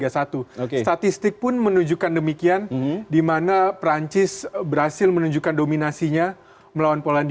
statistik pun menunjukkan demikian di mana perancis berhasil menunjukkan dominasinya melawan polandia